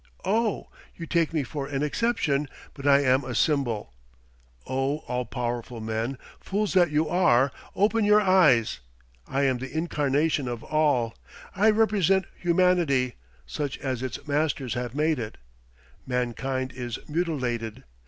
Oh! you take me for an exception; but I am a symbol. Oh, all powerful men, fools that you are! open your eyes. I am the incarnation of All. I represent humanity, such as its masters have made it. Mankind is mutilated.